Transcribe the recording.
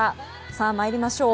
さあ、参りましょう。